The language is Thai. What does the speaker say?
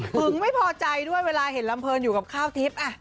ไม่พอใจด้วยเวลาเห็นลำเนินอยู่กับข้าวทิพย์